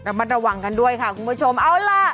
มัดระวังกันด้วยค่ะคุณผู้ชมเอาล่ะ